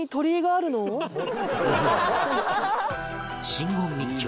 真言密教